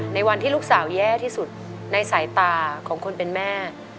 ในวันที่ลูกสาวแย่ที่สุดในสายตาของคนเป็นแม่